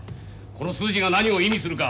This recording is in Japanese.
この数字が何を意味するか